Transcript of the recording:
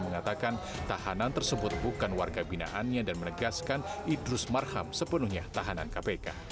mengatakan tahanan tersebut bukan warga binaannya dan menegaskan idrus marham sepenuhnya tahanan kpk